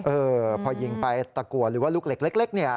เออพอยิงไปตะกัวหรือว่าลูกเล็กเนี่ย